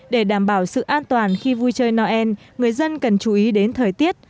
để đảm bảo sự an toàn khi vui chơi noel người dân cần chú ý đến thời tiết